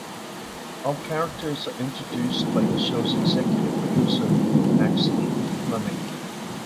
All characters are introduced by the shows executive producer Maxine Fleming.